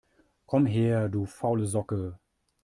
Komm her, du faule Socke!